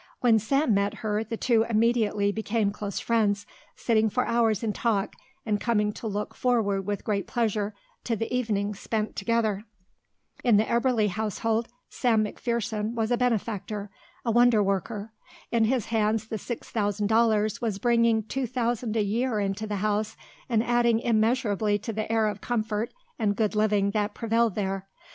When Sam met her the two immediately became close friends, sitting for hours in talk and coming to look forward with great pleasure to the evenings spent together. In the Eberly household Sam McPherson was a benefactor, a wonder worker. In his hands the six thousand dollars was bringing two thousand a year into the house and adding immeasurably to the air of comfort and good living that prevailed there.